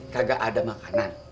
kagak ada makanan